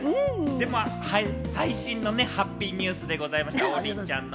最新のハッピーニュースでございました、王林ちゃんの。